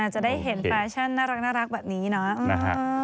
จะได้เห็นแฟชั่นน่ารักแบบนี้เนาะ